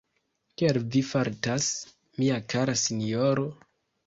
Kiel vi fartas, mia kara sinjoro?